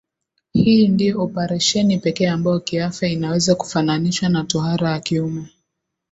Hii ndio oparesheni pekee ambayo kiafya inaweza kufananishwa na tohara ya kiume